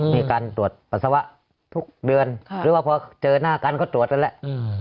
มีการตรวจปัสสาวะทุกเดือนหรือว่าพอเจอหน้ากันก็ตรวจนั่นแหละ